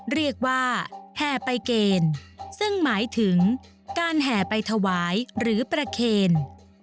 แห่ไปเกณฑ์ซึ่งหมายถึงการแห่ไปถวายหรือประเคน